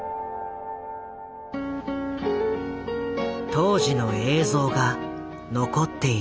当時の映像が残っている。